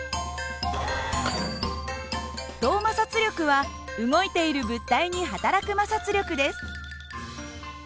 動摩擦力は動いている物体にはたらく摩擦力です。